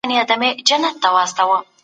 د لويي جرګې په اړه بشپړ کتاب چا لیکلی دی؟